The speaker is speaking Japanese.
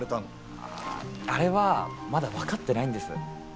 あああれはまだ分かってないんですよ。